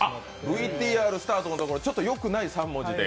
ＶＴＲスタートのところ、ちょっとよくない３文字で。